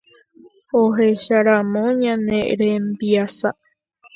Ohecharamo ñane rembiasa